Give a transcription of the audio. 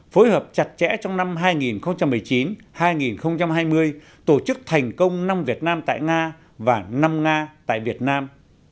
phối hợp chặt chẽ trong năm hai nghìn một mươi chín hai nghìn hai mươi tổ chức thành công năm việt nam tại nga và năm nga tại việt nam